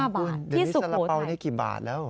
๕บาทที่สุโขทัยสาระเป๋านี่กี่บาทแล้ว